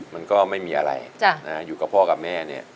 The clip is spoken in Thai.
มันก็ไม่มีอะไรอยู่กับพ่อกับแม่เนี่ย